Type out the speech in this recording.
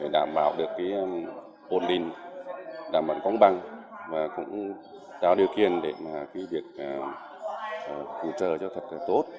đảm bảo được cái ồn định đảm bảo công bằng và cũng đạo điều kiện để mà việc cứu trời cho thật tốt